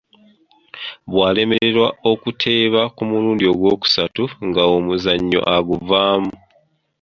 Bw’alemererwa okuteeba ku mulundi ogwokusatu ng’omuzannyo aguvaamu.